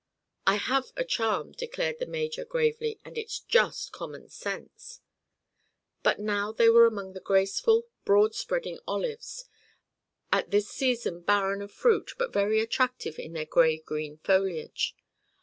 "I have a charm," declared the major, gravely, "and it's just common sense." But now they were among the graceful, broad spreading olives, at this season barren of fruit but very attractive in their gray green foliage.